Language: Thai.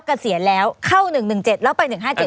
กระเสียแล้วเข้าหนึ่งหนึ่งเจ็ดแล้วไปหนึ่งห้าเจ็ด